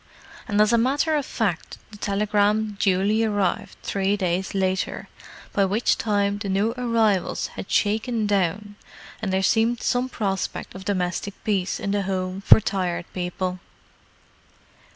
And as a matter of fact, the telegram duly arrived three days later—by which time the new arrivals had shaken down, and there seemed some prospect of domestic peace in the Home for Tired People.